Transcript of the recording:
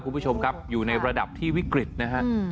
คุณผู้ชมครับอยู่ในระดับที่วิกฤตนะฮะ